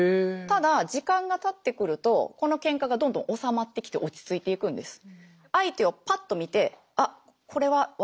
ただ時間がたってくるとこのケンカがどんどん収まってきて落ち着いていくんです。